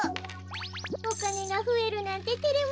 おかねがふえるなんててれますねえ。